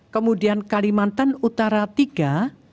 kemudian kalimantan utara iii